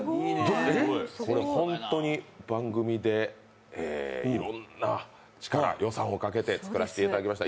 これ、番組でいろんな力、予算をかけて作らせていただきました。